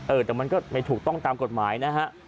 เออแต่มันก็ไม่ถูกต้องตามกฎหมายนะฮะ